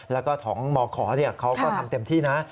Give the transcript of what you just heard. แล้วก็ของมขเขาก็ทำเต็มที่นะ